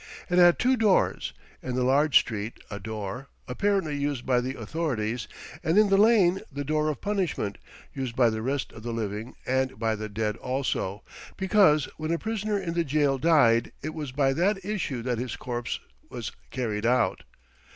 It had two doors. In the large street a door, apparently used by the authorities; and in the lane the door of punishment, used by the rest of the living and by the dead also, because when a prisoner in the jail died it was by that issue that his corpse was carried out.